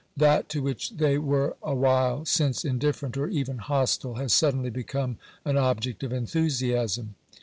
That to which they were awhile since indifferent or even hostile has suddenly be come an object of enthusiasm.